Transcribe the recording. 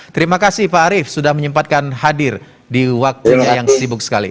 terima kasih pak arief sudah menyempatkan hadir di waktunya yang sibuk sekali